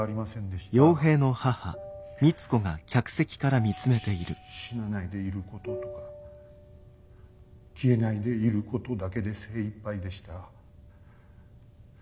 ししし死なないでいることとか消えないでいることだけで精いっぱいでした。